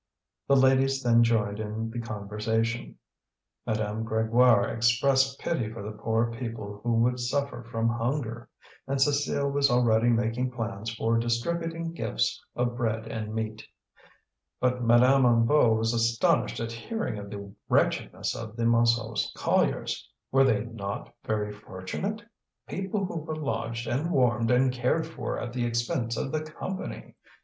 The ladies then joined in the conversation. Madame Grégoire expressed pity for the poor people who would suffer from hunger; and Cécile was already making plans for distributing gifts of bread and meat. But Madame Hennebeau was astonished at hearing of the wretchedness of the Montsou colliers. Were they not very fortunate? People who were lodged and warmed and cared for at the expense of the Company!